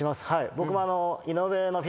僕も。